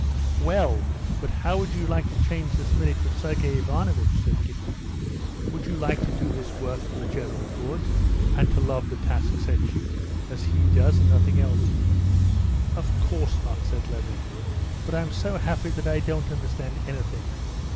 "Well, but would you like to change this minute with Sergey Ivanovitch?" said Kitty. "Would you like to do this work for the general good, and to love the task set you, as he does, and nothing else?" "Of course not," said Levin. "But I'm so happy that I don't understand anything.